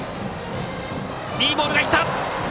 いいボールが行った！